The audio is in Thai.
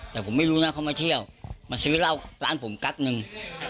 แต่ผมไม่รู้นะเขามาเที่ยวมาซื้อเหล้าร้านผมกั๊กนึง